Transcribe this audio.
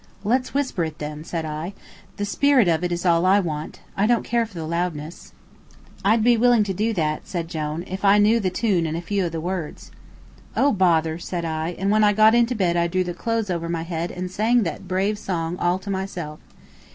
"Let's whisper it, then," said I; "the spirit of it is all I want. I don't care for the loudness." "I'd be willing to do that," said Jone, "if I knew the tune and a few of the words." "Oh, bother!" said I; and when I got into bed I drew the clothes over my head and sang that brave song all to myself.